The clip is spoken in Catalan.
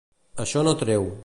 Això no treu.